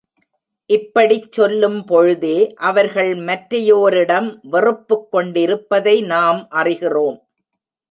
இப்படிச் சொல்லும் பொழுதே, அவர்கள் மற்றையோரிடம் வெறுப்புக் கொண்டிருப்பதை நாம் அறிகிறோம்.